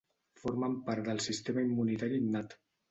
Formen part del sistema immunitari innat.